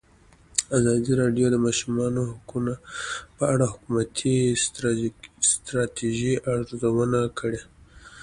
ازادي راډیو د د ماشومانو حقونه په اړه د حکومتي ستراتیژۍ ارزونه کړې.